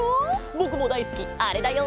ぼくもだいすきあれだよ。